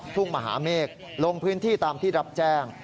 ทุ่งมหาเมฆลงพื้นที่ตามที่รับแจ้ง